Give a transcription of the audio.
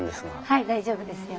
はい大丈夫ですよ。